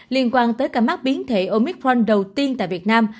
liên quan tới cả mắc biến thể omicron đầu tiên tại việt nam